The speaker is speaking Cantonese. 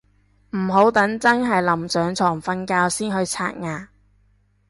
唔好等真係臨上床瞓覺先去刷牙